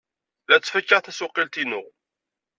La ttfakaɣ tasuqilt-inu.